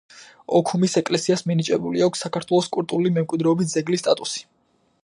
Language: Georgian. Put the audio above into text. ოქუმის ეკლესიას მინიჭებული აქვს საქართველოს კულტურული მემკვიდრეობის ძეგლის სტატუსი.